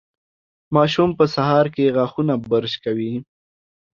ماشوم په سهار کې غاښونه برش کوي.